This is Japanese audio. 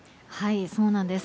そうなんです。